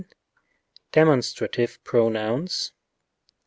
Demonstrative pronouns.